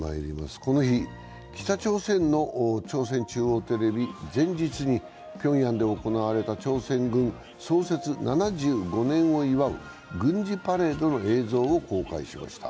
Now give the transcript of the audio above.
この日、北朝鮮の朝鮮中央テレビ、前日にピョンヤンで行われた朝鮮軍創設７５年を祝う軍事パレードの映像を公開しました。